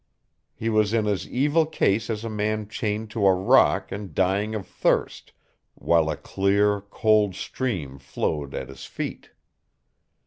He was in as evil case as a man chained to a rock and dying of thirst, while a clear, cold stream flowed at his feet.